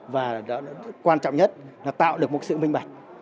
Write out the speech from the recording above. và đó là quan trọng nhất nó tạo được một sự minh bạch